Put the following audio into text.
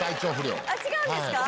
あっ違うんですか？